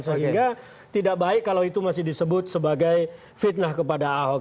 sehingga tidak baik kalau itu masih disebut sebagai fitnah kepada ahok